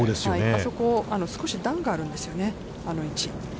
あそこ少し段があるんですよね、あの位置。